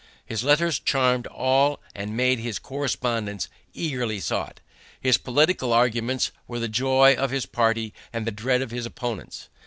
"His letters charmed all, and made his correspondence eagerly sought. His political arguments were the joy of his party and the dread of his opponents.